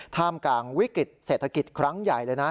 ท่ามกลางวิกฤตเศรษฐกิจครั้งใหญ่เลยนะ